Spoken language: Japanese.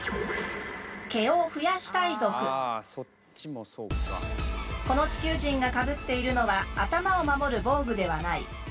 それはこの地球人がかぶっているのは頭を守る防具ではない。